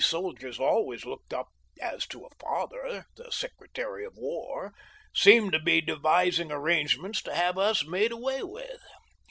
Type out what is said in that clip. soldiers always looked up as to a father, ŌĆö the Secretary of War, seemed to be devising arrangements to have us made away with.